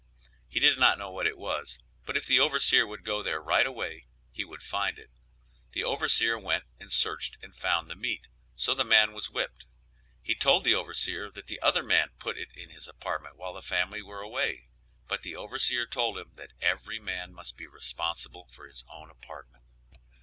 He did not know what it was, but if the overseer would go there right away he would find it. The overseer went and searched and found the meat, so the man was whipped. He told the overseer that the other man put it in his apartment while the family were away, but the overseer told him that every man must be responsible for his own apartment.